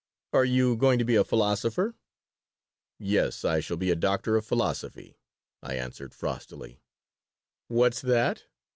"Are you going to be a philosopher?" "Yes, I shall be a doctor of philosophy," I answered, frostily "What's that?